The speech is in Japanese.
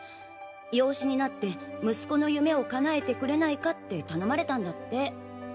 養子になって息子の夢を叶えてくれないかって頼まれたんだって。